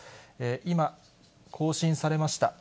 今、更新されました。